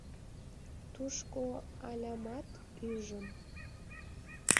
Тушко Алямат ӱжым.